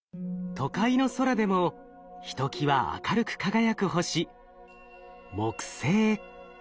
都会の空でもひときわ明るく輝く星木星。